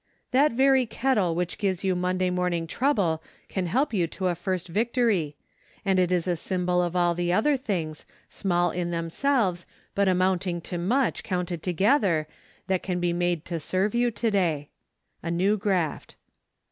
That very kettle which gives you Monday morning trouble can help you to a first victory : and it is a symbol of all the other things, small in themselves, but amounting to much, counted together, that can be made to serve you to day. A Kew Graft.